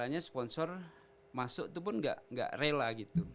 makanya sponsor masuk itu pun nggak rela gitu